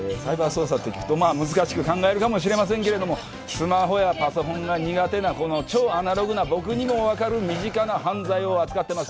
難しく考えるかもしれませんけど、スマホやパソコンが苦手なこの超アナログな僕にも分かる身近な犯罪を扱ってます。